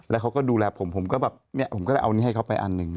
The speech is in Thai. แล้วเขาก็ดูแลผมผมก็แบบเนี่ยผมก็ได้เอานี้ให้เขาไปอันหนึ่ง